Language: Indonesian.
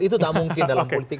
itu tak mungkin dalam politik